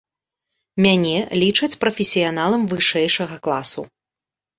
Мяне лічаць прафесіяналам вышэйшага класу.